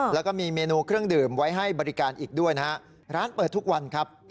แล้วก็มีเมนูเครื่องดื่มไว้ให้บริการอีกด้วยนะฮะร้านเปิดทุกวันครับ